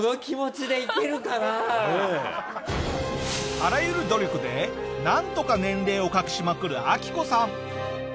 あらゆる努力でなんとか年齢を隠しまくるアキコさん。